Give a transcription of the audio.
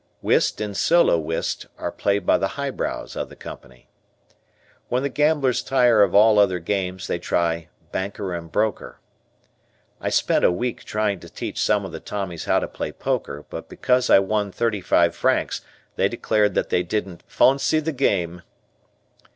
Whist and Solo Whist are played by the high brows of the Company. When the gamblers tire of all other games they try "Banker and Broker." I spent a week trying to teach some of the Tommies how to play poker, but because I won thirty five francs they declared that they didn't "Fawncy" the game.